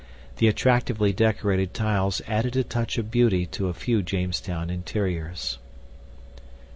The attractively decorated tiles added a touch of beauty to a few Jamestown interiors.